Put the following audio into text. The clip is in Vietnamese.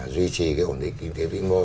duy trì cái ổn định kinh tế vĩ mô